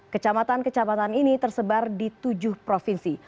kecamatan kecamatan ini tersebar di tujuh provinsi